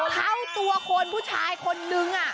เท่าตัวคนผู้ชายคนนึง